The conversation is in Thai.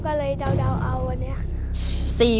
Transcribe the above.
ก็เลยเดาเอาวันนี้